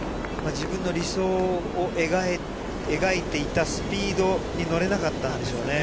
自分の理想を描いていたスピードに乗れなかったんでしょうね。